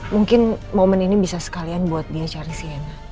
mungkin momen ini bisa sekalian buat dia cari sienna